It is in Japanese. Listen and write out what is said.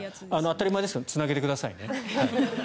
当たり前ですがつなげてくださいね。